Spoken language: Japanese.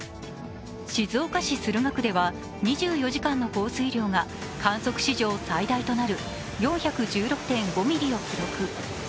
静岡市駿河区では２４時間の降水量が観測史上最大となる４１６．５ミリを記録。